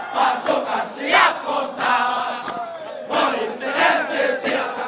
masuk kasi apotas